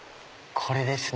これですね